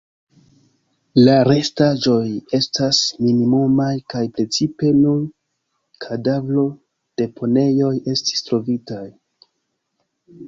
La restaĵoj estas minimumaj kaj precipe nur kadavro-deponejoj estis trovitaj.